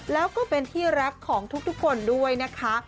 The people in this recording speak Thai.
แล้วก็เป็นที่รักของทุกคนด้วยนะคะ